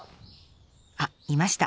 あっいました。